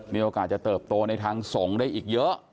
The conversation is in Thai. มีโอกาสจะเติบโตในทางส่งได้อีกเยอะ